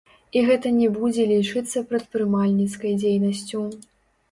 І гэта не будзе лічыцца прадпрымальніцкай дзейнасцю.